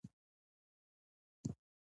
بدرنګه چلند بې ارزښته کوي